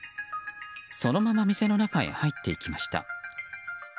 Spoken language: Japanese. そのまま店の中へ入っていきました。